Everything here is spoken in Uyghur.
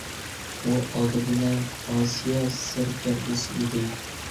ئۇ ئالدى بىلەن ئاسىيا سەركەردىسى ئىدى.